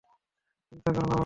চিন্তা করো না বাবা।